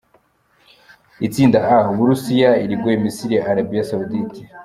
Itsinda A: U Burusiya, Uruguay, Misiri, Arabie Saoudite.